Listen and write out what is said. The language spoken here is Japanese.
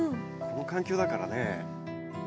この環境だからね。